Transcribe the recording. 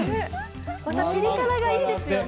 ピリ辛がいいですよね。